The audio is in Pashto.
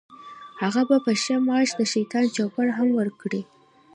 هغه به په ښه معاش د شیطان چوپړ هم وکړي.